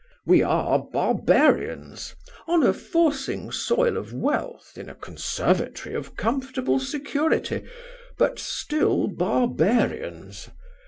We are barbarians, on a forcing soil of wealth, in a conservatory of comfortable security; but still barbarians.